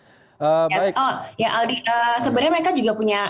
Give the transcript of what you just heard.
sebenarnya mereka juga punya